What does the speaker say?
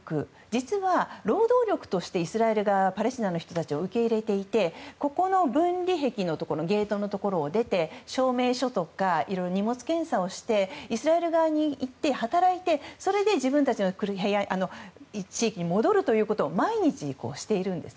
実は労働力としてイスラエル側はパレスチナの人たちを受け入れていてここの分離壁のゲートのところを出て証明書とか荷物検査をしてイスラエル側に行って働いて自分たちの地域に戻るということを毎日しているんです。